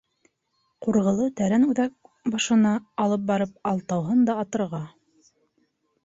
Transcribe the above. — Ҡурғылы тәрән үҙәк башына алып барып алтауһын да атырға.